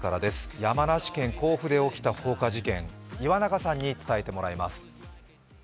山梨県甲府で起きた放火事件岩永さんに伝えてもらいます。